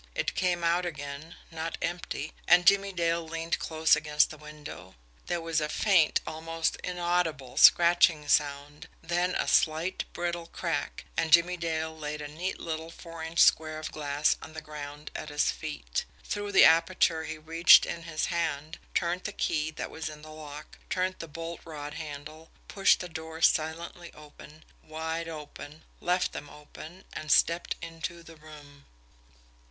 It came out again not empty and Jimmie Dale leaned close against the window. There was a faint, almost inaudible, scratching sound, then a slight, brittle crack and Jimmie Dale laid a neat little four inch square of glass on the ground at his feet. Through the aperture he reached in his hand, turned the key that was in the lock, turned the bolt rod handle, pushed the doors silently open wide open left them open and stepped into the room.